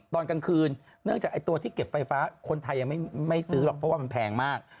ตอนกลางคืนเนื่องจากไอ้ตัวที่เก็บไฟฟ้าคนไทยยังไม่ซื้อหรอกเพราะว่ามันแพงมาก